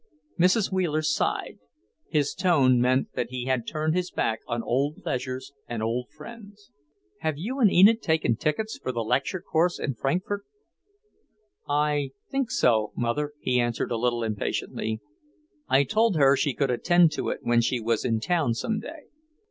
Mrs. Wheeler sighed. His tone meant that he had turned his back on old pleasures and old friends. "Have you and Enid taken tickets for the lecture course in Frankfort?" "I think so, Mother," he answered a little impatiently. "I told her she could attend to it when she was in town some day."